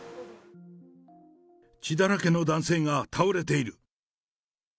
血だらけの男性が倒れている。